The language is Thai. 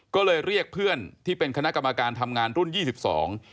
ก็เลยเรียกเพื่อนที่เป็นคณะกรรมการทำงานรุ่นยี่สิบสอง